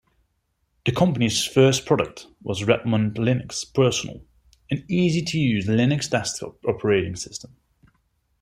The company's first product was Redmond Linux Personal, an easy-to-use Linux desktop operating system.